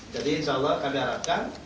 jadi insyaallah kami harapkan